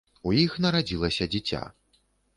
У іх нарадзілася дзіця.